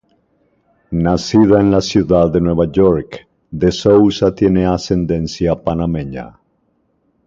Nacida en la ciudad de Nueva York, De Sousa tiene ascendencia panameña.